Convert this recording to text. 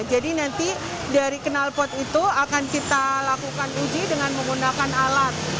jadi nanti dari kenalpot itu akan kita lakukan uji dengan menggunakan alat